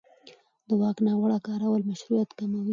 د واک ناوړه کارول مشروعیت کموي